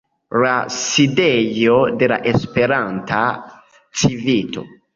la sidejo de la Esperanta Civito.